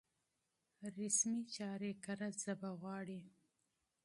رسمي چارې کره ژبه غواړي.